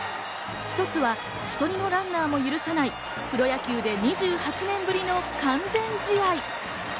一つは一人もランナーを許さないプロ野球で２８年ぶりの完全試合。